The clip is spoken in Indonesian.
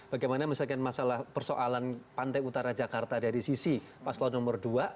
bagaimana misalkan masalah persoalan pantai utara jakarta dari sisi paslawan nomor dua